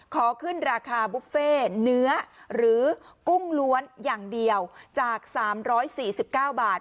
ขอขึ้นราคาบุฟเฟ่เนื้อหรือกุ้งล้วนอย่างเดียวจากสามร้อยสี่สิบเก้าบาท